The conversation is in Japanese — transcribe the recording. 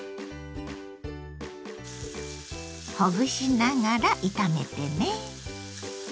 ほぐしながら炒めてね。